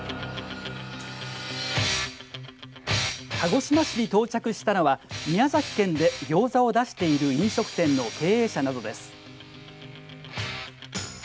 鹿児島市に到着したのは宮崎県でギョーザを出している飲食店の経営者などです。